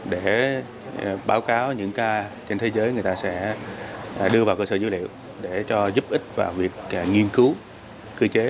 để báo cáo những ca trên thế giới người ta sẽ đưa vào cơ sở dữ liệu để cho giúp ích vào việc nghiên cứu cơ chế